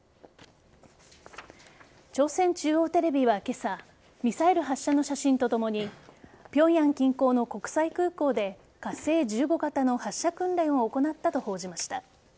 朝鮮中央テレビは今朝ミサイル発射の写真とともに平壌近郊の国際空港で火星１５型の発射訓練を行ったと報じました。